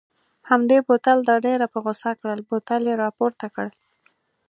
همدې بوتل دا ډېره په غوسه کړل، بوتل یې را پورته کړ.